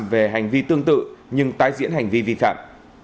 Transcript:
về hành vi tương tự nhưng tái diễn hành vi vi phạm